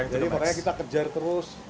jadi makanya kita kejar terus